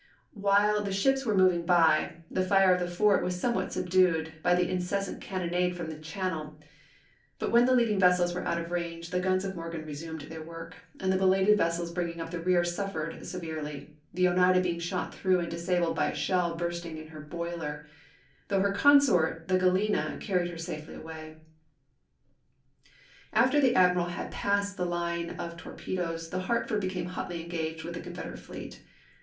While Bay Fight; the ships were moving by, the fire of the fort was somewhat subdued by the incessant cannonade from the channel; but when the leading vessels were out of range, the guns of Morgan resumed their work and the belated vessels bringing up the rear suffered severely, the Oneida being shot through and disabled by a shell bursting in her boiler, 234 ABRAHAM LINCOLN chap.x. though her consort the Galena carried her safely away. After the admiral had passed the line of tor pedoes the Hartford became hotly engaged with Aug. 5, 1864. the Confederate fleet.